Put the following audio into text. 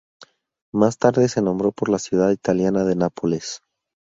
Más tarde se nombró por la ciudad italiana de Nápoles.